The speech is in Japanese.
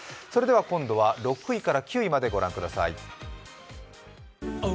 今度は、６位から９位まで御覧ください。